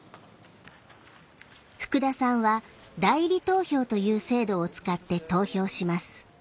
福田さんは代理投票という制度を使って投票します。